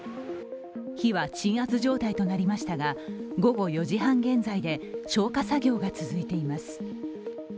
火は鎮圧状態となりましたが午後４時半現在で消火作業が続いています。